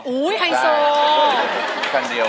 อ๋ออุ้ยไฮโซ